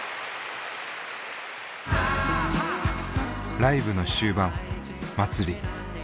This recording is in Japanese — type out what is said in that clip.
ライブの終盤「まつり」。